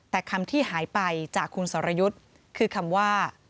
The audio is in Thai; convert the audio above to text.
แต่คำที่หายไปจากคุณสรยุทธ์คือคำว่า